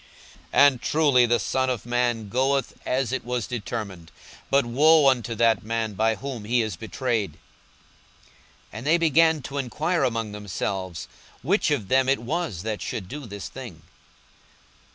42:022:022 And truly the Son of man goeth, as it was determined: but woe unto that man by whom he is betrayed! 42:022:023 And they began to enquire among themselves, which of them it was that should do this thing.